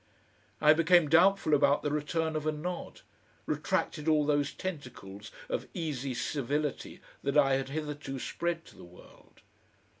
I became doubtful about the return of a nod, retracted all those tentacles of easy civility that I had hitherto spread to the world.